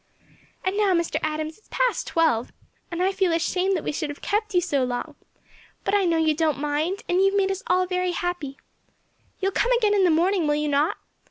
"And now, Mr. Adams, it's past twelve, and I feel ashamed that we should have kept you so long; but I know you don't mind, and you have made us all very happy. You will come again in the morning, will you not?